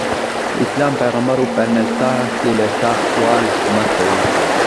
د اسلام پیغمبر وفرمایل تاسې له چا سوال مه کوئ.